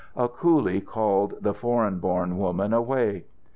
A coolie called the foreign born woman away.